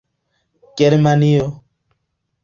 germanio